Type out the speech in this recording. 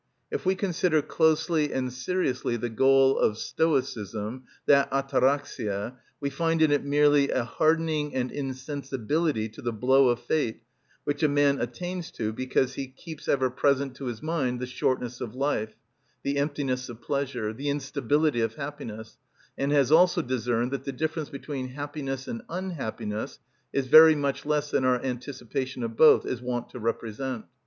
If we consider closely and seriously the goal of Stoicism, that αταραξια, we find in it merely a hardening and insensibility to the blow of fate which a man attains to because he keeps ever present to his mind the shortness of life, the emptiness of pleasure, the instability of happiness, and has also discerned that the difference between happiness and unhappiness is very much less than our anticipation of both is wont to represent.